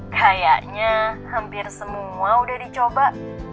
kayaknya hampir semua udah dicoba